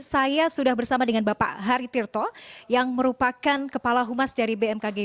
saya sudah bersama dengan bapak hari tirto yang merupakan kepala humas dari bmkg